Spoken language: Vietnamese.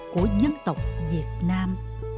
của dân tộc việt nam